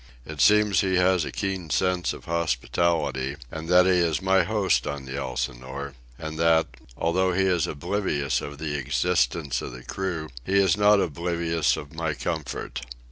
It seems he has a keen sense of hospitality, and that he is my host on the Elsinore, and that, although he is oblivious of the existence of the crew, he is not oblivious of my comfort.